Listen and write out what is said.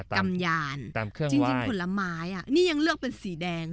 กำญาณตามเครื่องไหวจริงจริงผลไม้อ่ะนี่ยังเลือกเป็นสีแดง